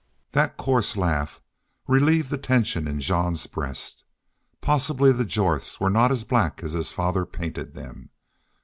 That coarse laugh relieved the tension in Jean's breast. Possibly the Jorths were not as black as his father painted them.